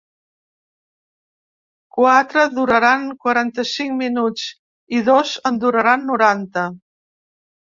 Quatre duraran quaranta-cinc minuts i dos en duraran noranta.